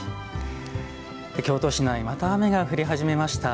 京都市内また雨が降り始めました。